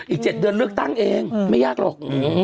อีก๗เดือนเลือกตั้งเองไม่ยากหรอก